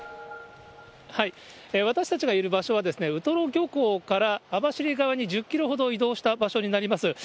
私たちがいる場所は、ウトロ漁港から網走側に１０キロほど移動した場所になります。